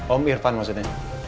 om irfan maksudnya